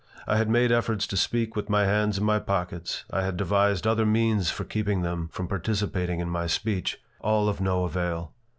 I had made efforts to speak with my hands in my pockets; I had devised other means for keeping them from participating in my speech. All of no avail.